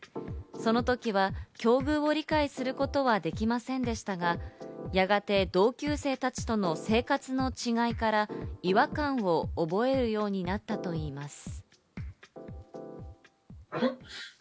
その時は境遇を理解することはできませんでしたが、やがて同級生たちとの生活の違いから、違和感を覚えるようになったといいます。